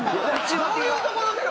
どういうところでよ？